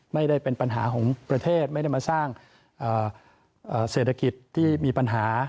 ไม่ได้เป็นปัญหาของประเทศไม่ได้มาสร้างเศรษฐกิจที่มีปัญหา